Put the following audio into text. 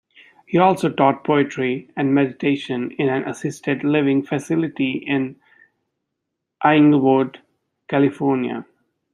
He also taught poetry and meditation in an assisted-living facility in Inglewood, California.